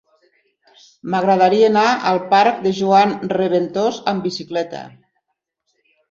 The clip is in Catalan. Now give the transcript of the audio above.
M'agradaria anar al parc de Joan Reventós amb bicicleta.